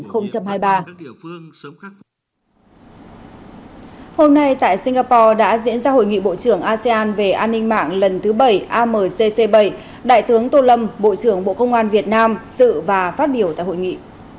hôm nay tại singapore đã diễn ra hội nghị bộ trưởng asean về an ninh mạng lần thứ bảy amcc bảy đại tướng tô lâm bộ trưởng bộ công an việt nam dự và phát biểu tại hội nghị